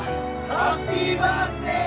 ハッピーバースデー！